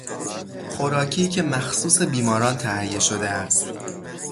خوراکی که مخصوص بیماران تهیه شده است